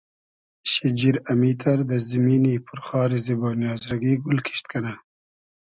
شیجیر امیتر دۂ زیمینی پور خاری زیبۉنی آزرگی گول کیشت کئنۂ